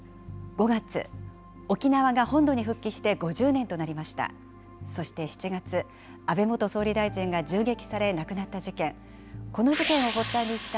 ５月、沖縄が本土に復帰して５０年となりました。